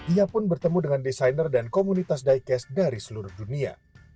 ia pun bertemu dengan desainer dan komunitas diecast dari seluruh dunia